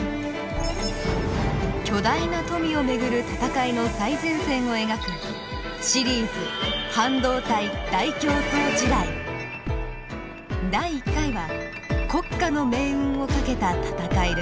巨大な富を巡る闘いの最前線を描くシリーズ第１回は「国家の“命運”をかけた闘い」です。